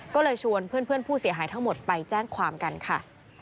ก็เลยชวนเพื่อนผู้เสียหายทั้งหมดไปแจ้งความกันค่ะ